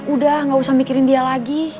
udah gak usah mikirin dia lagi